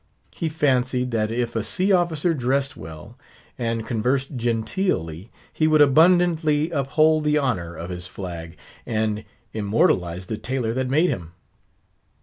He fancied, that if a sea officer dressed well, and conversed genteelly, he would abundantly uphold the honour of his flag, and immortalise the tailor that made him.